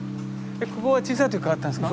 ここは小さい時からあったんですか？